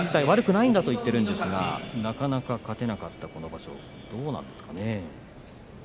悪くないと言っているんですがなかなか勝てなかったこの場所どうですか？